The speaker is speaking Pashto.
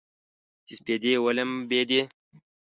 چې سپېدې ولمبیدې